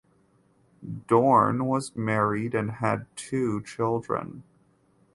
Doorn was married and had two children.